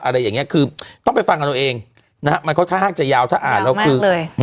อะไรอย่างเงี้ยคือต้องไปฟังกับเราเองนะครับมันก็ค่าห้างจะยาวถ้าอ่านแล้วคือยาวมากเลย